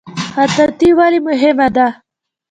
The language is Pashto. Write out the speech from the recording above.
خطاطي ولې مهمه ده؟